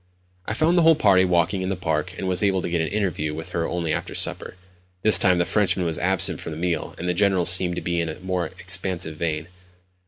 I found the whole party walking in the park, and was able to get an interview with her only after supper. This time the Frenchman was absent from the meal, and the General seemed to be in a more expansive vein.